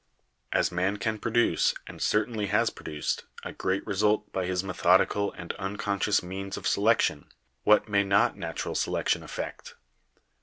"As man can produce, and certainly has produced, a great result by his methodical and unconscious means of selection, what may not natural selection effect?